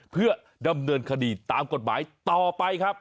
เพื่อดำเนินคดีตามกฎหมายต่อไปครับ